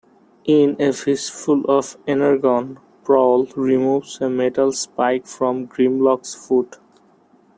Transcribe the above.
In "A Fistful of Energon", Prowl removes a metal spike from Grimlock's foot.